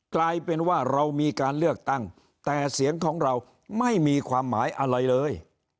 กลายเป็นว่าเรามีการเลือกตั้งแต่เสียงของเราไม่มีความหมายอะไรเลย